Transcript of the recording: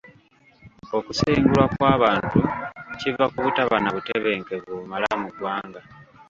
Okusengulwa kw'abantu kiva ku butaba na butebenkevu bumala mu ggwanga.